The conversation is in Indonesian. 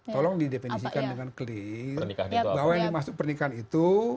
tolong didependisikan dengan clear bahwa yang dimasukkan pernikahan itu